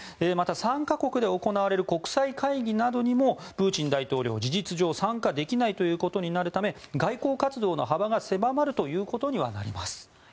また、参加国で行われる国際会議などにもプーチン大統領は事実上参加できないことになるため外交活動の幅が狭まるということにはなります。